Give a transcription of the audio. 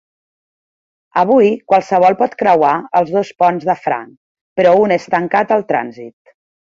Avui qualsevol pot creuar els dos ponts de franc, però un és tancat al trànsit.